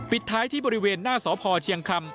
ท้ายที่บริเวณหน้าสพเชียงคำ